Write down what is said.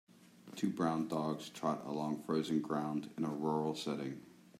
Two brown dogs trot along frozen ground in a rural setting.